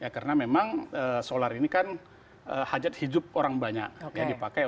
karena memang solar ini kan hajat hijab orang banyak